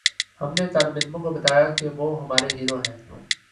ہم نے طالب علموں کو بتایا کہ وہ ہمارے ہیرو ہیں۔